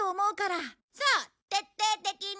そう徹底的に。